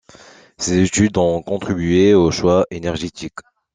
Ces études ont contribué aux choix énergétiques.